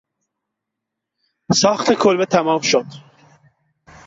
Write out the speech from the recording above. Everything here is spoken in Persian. ساخت کلبه تمام شد.